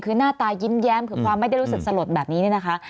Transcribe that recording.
คือหน้าตายิ้มแย้มคือความไม่ได้รู้สึกสลดแบบนี้เนี่ยนะคะ